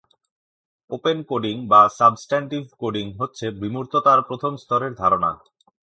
Open coding বা substantive coding হচ্ছে বিমূর্ততার প্রথম স্তরের ধারণা।